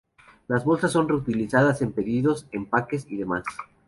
Las bolsas son reutilizadas en pedidos, empaques y demás.